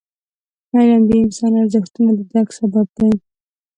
علم د انساني ارزښتونو د درک سبب دی.